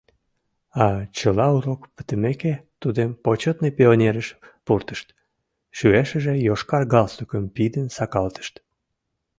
А чыла урок пытымеке, тудым почетный пионерыш пуртышт, шӱешыже йошкар галстукым пидын сакалтышт.